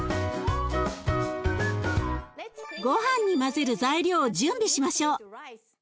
ごはんに混ぜる材料を準備しましょう。